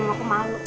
ini aku malu